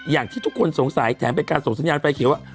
อย่างที่ทุกคนสงสัยแถมเป็นการส่งสัญญาณไฟเขียวว่า